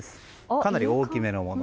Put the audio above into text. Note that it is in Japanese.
かなり大きめのもの。